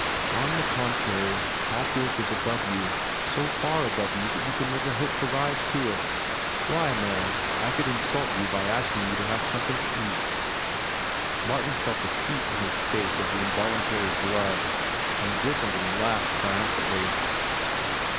"On the contrary, hack work is above you, so far above you that you can never hope to rise to it. Why, man, I could insult you by asking you to have something to eat." Martin felt the heat in his face of the involuntary blood, and Brissenden laughed triumphantly.